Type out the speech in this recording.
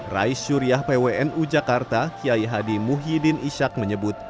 rais syuriah pwnu jakarta kiai hadi muhyiddin ishak menyebut